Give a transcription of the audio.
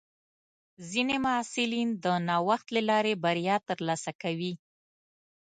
ځینې محصلین د نوښت له لارې بریا ترلاسه کوي.